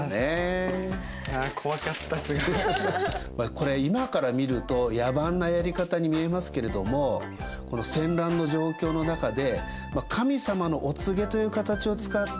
これ今から見ると野蛮なやり方に見えますけれどもこの戦乱の状況の中で神様のお告げという形を使って秩序を安定させる。